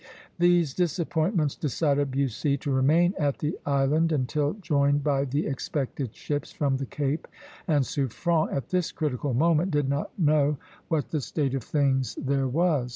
These disappointments decided Bussy to remain at the Island until joined by the expected ships from the Cape, and Suffren at this critical moment did not know what the state of things there was.